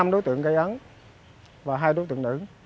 năm đối tượng gây án và hai đối tượng nữ